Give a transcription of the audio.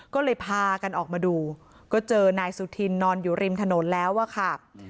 ก็เลยพากันออกมาดูก็เจอนายสุธินนอนอยู่ริมถนนแล้วอะค่ะ